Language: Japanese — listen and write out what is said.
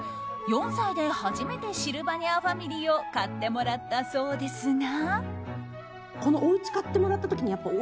４歳で初めてシルバニアファミリーを買ってもらったそうですが。